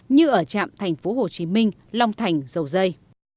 như ở trạm thành phố hồ chí minh long thành dầu dây